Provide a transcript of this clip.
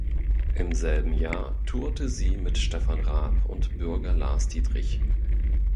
Im selben Jahr tourte sie mit Stefan Raab und Bürger Lars Dietrich.